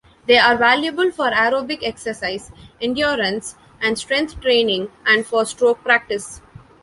They are valuable for aerobic exercise, endurance and strength training, and for stroke practice.